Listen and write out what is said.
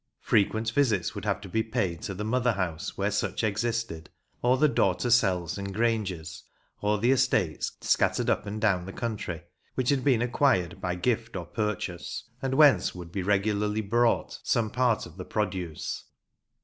Frequent visits would have to be paid to the mother house, where such existed, or the daughter cells and granges, or the estates scattered up and down the country, which had been acquired by gift or purchase, and whence would be regularly brought some part of the produce.